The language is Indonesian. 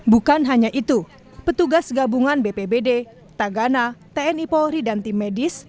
bukan hanya itu petugas gabungan bpbd tagana tni polri dan tim medis